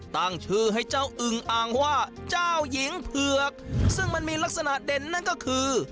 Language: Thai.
ตั้งชื่อให้เจ้าอึงอ่างว่าเจ้าหญิงเผือกซึ่งมันมีลักษณะเด่นนั่นก็คือ